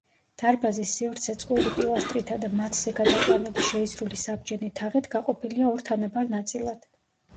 დარბაზის სივრცე წყვილი პილასტრითა და მათზე გადაყვანილი შეისრული საბჯენი თაღით გაყოფილია ორ თანაბარ ნაწილად.